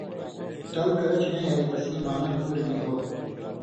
ٹل کرہ چھی نئ ہریۡ تسیں معنا پُوریۡ نی ہو،